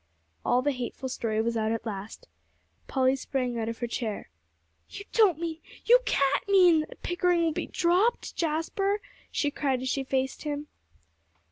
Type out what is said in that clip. All the hateful story was out at last. Polly sprang out of her chair. "You don't mean you can't mean, that Pickering will be dropped, Jasper?" she cried as she faced him.